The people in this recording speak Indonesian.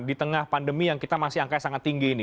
di tengah pandemi yang kita masih angkanya sangat tinggi ini